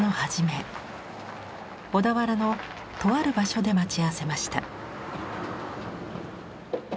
小田原のとある場所で待ち合わせました。